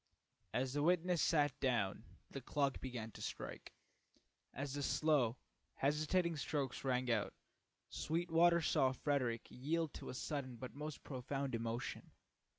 As the witness sat down the clock began to strike. As the slow, hesitating strokes rang out, Sweetwater saw Frederick yield to a sudden but most profound emotion.